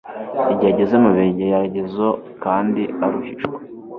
igihe ageze mu bigeragezo kandi aruhijwe.